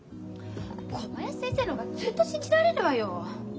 小林先生の方がずっと信じられるわよ。